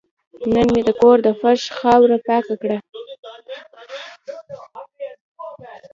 نن مې د کور د فرش خاوره پاکه کړه.